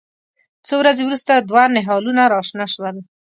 څو ورځې وروسته دوه نهالونه راشنه شول.